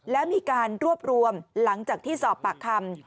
แล้วมีการรวบรวมหลังจากที่สอบปากคำ